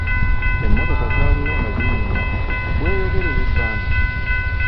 Emmotoka zaaliwo nga ziyimba, "Bweyogerere-Bbanda".